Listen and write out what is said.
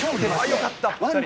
よかった。